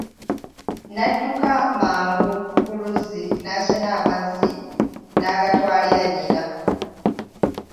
N'adduka mangu ku luzzi n'asena amazzi n'agatwalira nnyina.